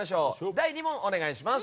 第２問、お願いします。